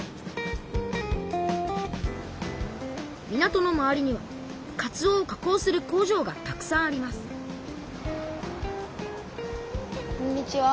港の周りにはかつおを加工する工場がたくさんありますこんにちは。